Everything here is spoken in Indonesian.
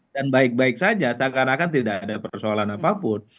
dan baik baik saja seakan akan tidak ada persoalan apapun